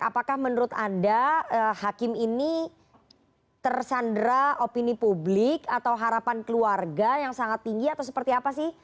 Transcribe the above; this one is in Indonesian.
apakah menurut anda hakim ini tersandra opini publik atau harapan keluarga yang sangat tinggi atau seperti apa sih